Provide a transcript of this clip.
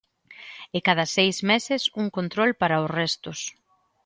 E cada seis meses un control para os restos.